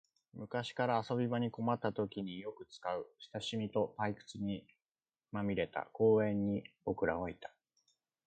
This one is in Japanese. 昔から遊び場に困ったときによく使う、親しみと退屈さにまみれた公園に僕らはいた